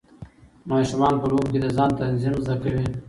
ماشومان په لوبو کې د ځان تنظیم زده کوي.